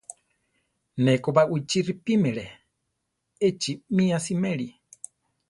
Ne ko Baʼwichí ripímeli; échi mí asiméli.